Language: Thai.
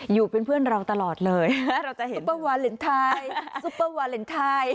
อยู่เป็นเพื่อนเราตลอดเลยเราจะเห็นซุปเปอร์วาเลนไทยซุปเปอร์วาเลนไทย